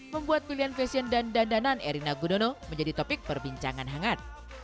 membuat pilihan fashion dan dandanan erina gudono menjadi topik perbincangan hangat